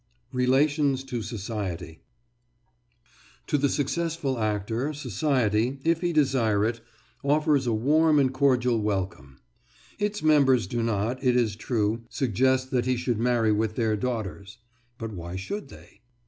RELATIONS TO "SOCIETY" To the successful actor society, if he desire it, offers a warm and cordial welcome. Its members do not, it is true, suggest that he should marry with their daughters, but why should they?